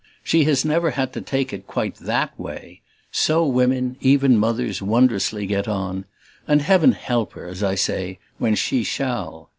She has never had to take it quite THAT way so women, even mothers, wondrously get on; and heaven help her, as I say, when she shall.